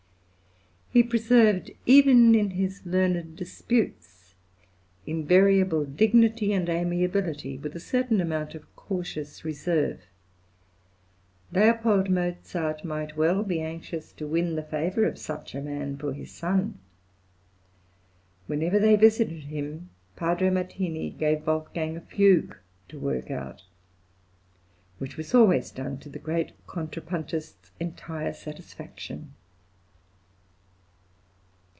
He preserved, even in his learned disputes, invariable dignity and amiability, with a certain amount of cautious reserve. L. Mozart might well be anxious to win the favour of such a man for his son. Whenever they visited him Padre Martini gave Wolfgang a fugue to work out, which was always done to the great contrapuntist's entire satisfaction.